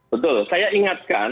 betul saya ingatkan